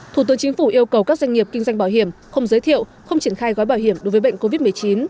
thủ tướng chính phủ yêu cầu các doanh nghiệp kinh doanh bảo hiểm không giới thiệu không triển khai gói bảo hiểm đối với bệnh covid một mươi chín